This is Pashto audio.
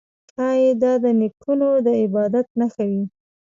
ښايي دا د نیکونو د عبادت نښه وي